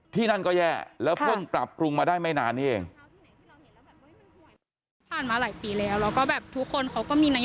ที่นั่นก็แย่แล้วเพิ่งปรับปรุงมาได้ไม่นานนี้เอง